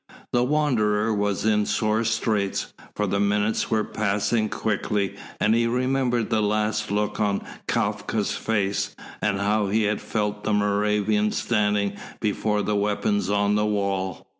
The Wanderer was in sore straits, for the minutes were passing quickly and he remembered the last look on Kafka's face, and how he had left the Moravian standing before the weapons on the wall.